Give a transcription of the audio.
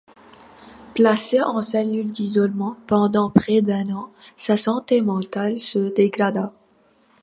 Placé en cellule d'isolement pendant près d'un an, sa santé mentale se dégrada.